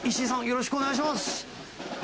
よろしくお願いします！